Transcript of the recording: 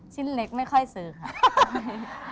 ชิ้นเล็กไม่ค่อยซื้อค่ะ